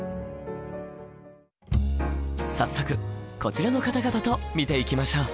早速こちらの方々と見ていきましょう！